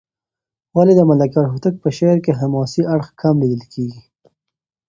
ولې د ملکیار هوتک په شعر کې حماسي اړخ کم لېدل کېږي؟